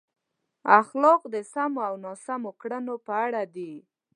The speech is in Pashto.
اخلاق د سمو او ناسم کړنو په اړه دي.